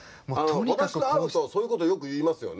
私と会うとそういうことよく言いますよね。